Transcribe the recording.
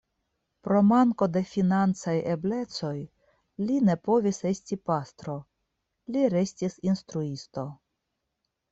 Pro manko de financaj eblecoj li ne povis esti pastro, li restis instruisto.